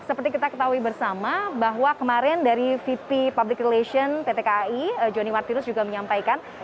seperti kita ketahui bersama bahwa kemarin dari vp public relation pt kai jonny martinus juga menyampaikan